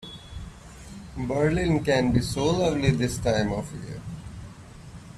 Berlin can be so lovely this time of year.